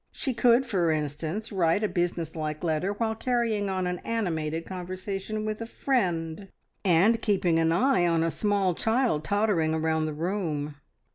She could, for instance, write a business like letter while carrying on an animated conversation with a friend, and keeping an eye on a small child tottering around the room.